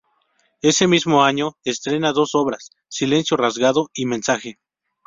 Ese mismo año estrena dos obras: "Silencio Rasgado" y "Mensaje".